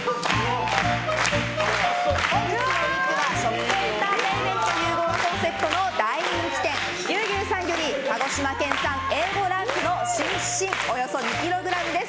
本日のお肉は、食とエンターテインメントの融合がコンセプトの大人気店牛牛さんより鹿児島県産Ａ５ランク、芯々およそ２ｋｇです。